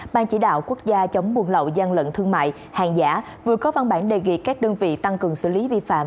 ban chỉ đạo quốc gia chống buôn lậu gian lận thương mại hàng giả vừa có văn bản đề nghị các đơn vị tăng cường xử lý vi phạm